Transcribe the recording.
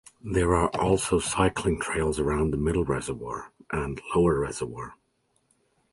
There are also cycling trails around the Middle Reservoir and Lower Reservoir.